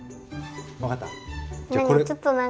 分かった？